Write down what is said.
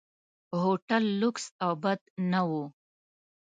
هوټل لکس او بد نه و.